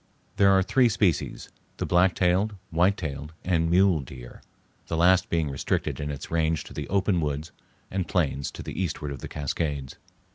There are three species, the black tailed, white tailed, and mule deer; the last being restricted in its range to the open woods and plains to the eastward of the Cascades.